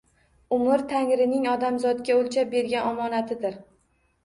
Umr tangrining odamzotga o’lchab bergan omonatidir.